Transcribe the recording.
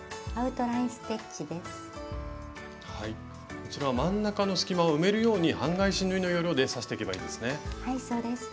こちらは真ん中の隙間を埋めるように半返し縫いの要領で刺していけばいいですね。